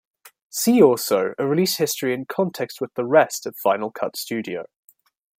See also a release history in context with the rest of Final Cut Studio.